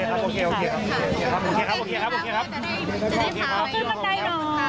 จะได้พาน้องทาสินไปเยี่ยมคุณตาแล้ว